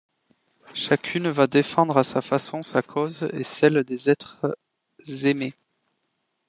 Chacune va défendre à sa façon sa cause et celle des êtres aimés.